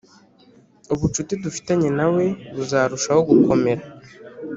Ubucuti dufitanye na we buzarushaho gukomera